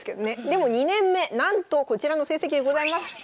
でも２年目なんとこちらの成績でございます。